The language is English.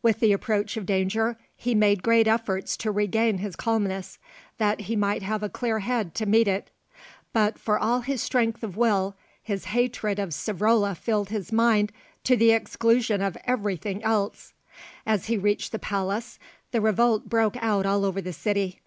With the approach of danger he made great efforts to regain his calmness, that he might have a clear head to meet it; but for all his strength of will, his hatred of Savrola filled his mind to the exclusion of everything else. As he reached the palace the revolt broke out all over the city.